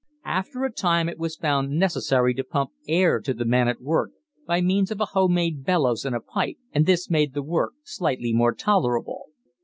After a time it was found necessary to pump air to the man at work by means of a home made bellows and a pipe, and this made the work slightly more tolerable.